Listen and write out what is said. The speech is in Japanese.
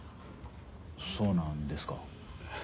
そうなんですか。